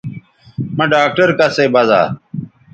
مہ ڈاکٹر کسئ بزا